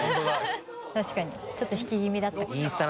確かにちょっと引き気味だった。